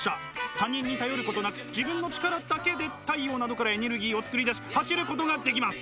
他人に頼ることなく自分の力だけで太陽などからエネルギーを作り出し走ることができます。